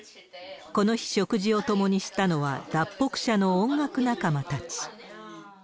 この日、食事を共にしたのは脱北者の音楽仲間たち。